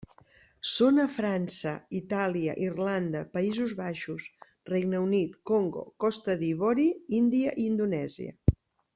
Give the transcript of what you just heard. Són a França, Itàlia, Irlanda, Països Baixos, Regne Unit, Congo, Costa d'Ivori, Índia i Indonèsia.